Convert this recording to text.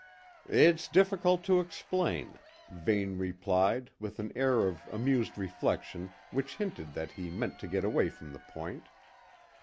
"It's difficult to explain," Vane replied with an air of amused reflection which hinted that he meant to get away from the point.